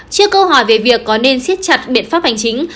trước câu hỏi về việc có nên siết chặt biện pháp hành chính